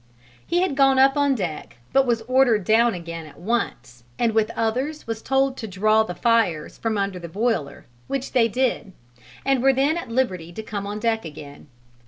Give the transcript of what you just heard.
He had gone up on deck but was ordered down again at once and with others was told to draw the fires from under the boiler, which they did, and were then at liberty to come on deck again.